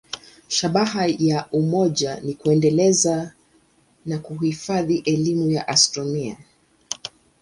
Shabaha ya umoja ni kuendeleza na kuhifadhi elimu ya astronomia.